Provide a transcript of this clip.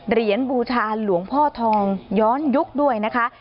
เหรียญบูธาหรือหลวงพ่อทองย้อนยุคด้วยนะคะ